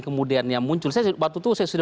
kemudian muncul waktu itu saya sudah